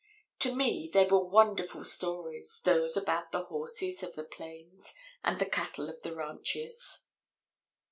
To me they were wonderful stories, those about the horses of the plains and the cattle of the ranches.